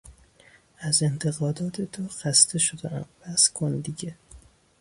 از انتقادات تو خسته شدهام، بس کن دیگه!